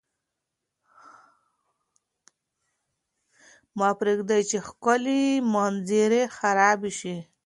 مه پرېږدئ چې ښکلې منظرې خرابې شي.